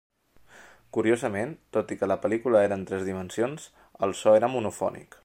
Curiosament, tot i que la pel·lícula era en tres dimensions, el so era monofònic.